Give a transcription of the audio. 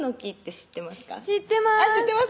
知ってます